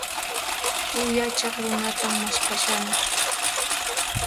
Yuyaychaq runatan maskhashani.